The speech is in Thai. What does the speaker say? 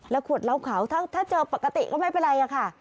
ขวดเหล้าขาวถ้าเจอปกติก็ไม่เป็นไรค่ะ